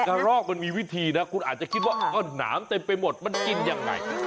รอกมันมีวิธีนะคุณอาจจะคิดว่าก็หนามเต็มไปหมดมันกินยังไง